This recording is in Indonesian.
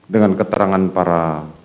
dengan keterangan para